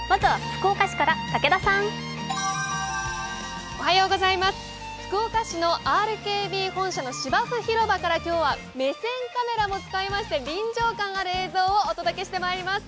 福岡市のＲＫＢ本社の芝生広場から今日は目線カメラも使いまして臨場感ある映像をお伝えしてまいります。